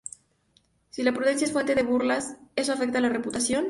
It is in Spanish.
Si la prudencia es fuente de burlas, ¿eso afecta la reputación?